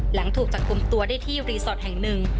หลังถูกจับกลุ่มตัวได้ที่รีสอร์ทแห่งหนึ่ง